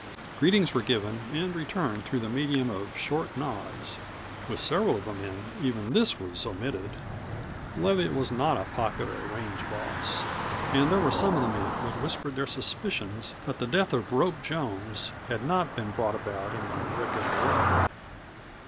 Greetings were given and returned through the medium of short nods with several of the men even this was omitted. Leviatt was not a popular range boss, and there were some of the men who had whispered their suspicions that the death of Rope Jones had not been brought about in the regular way.